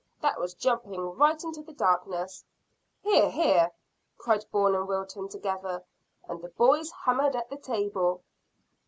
That was jumping right into the darkness." "Hear, hear!" cried Bourne and Wilton together, and the boys hammered the table.